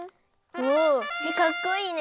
おおかっこいいね！